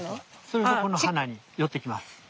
するとこの花に寄ってきます。